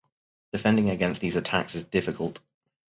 Defending against these attacks is difficult.